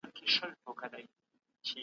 دا څېړنه تر هغې بلې څېړني ډېره دقیقه ده.